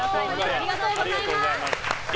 ありがとうございます。